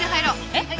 えっ？